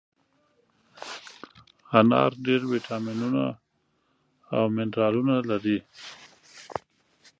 انار ډېر ویټامینونه او منرالونه لري.